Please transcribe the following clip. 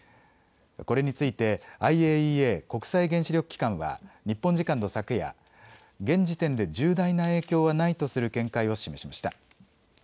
これについてＩＡＥＡ・国際原子力機関は日本時間の昨夜、現時点で重大な影響はないとする見解を示しました。